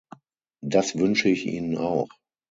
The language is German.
Das wünsche ich ihnen auch.